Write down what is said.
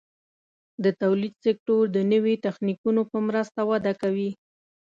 د تولید سکتور د نوي تخنیکونو په مرسته وده کوي.